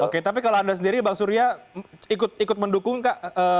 oke tapi kalau anda sendiri bang surya ikut mendukung kak